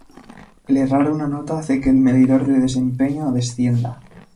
El errar una nota hace que el medidor de desempeño descienda.